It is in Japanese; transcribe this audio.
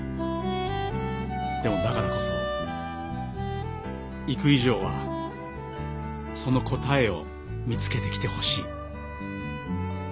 でもだからこそ行く以上はその答えを見つけてきてほしい。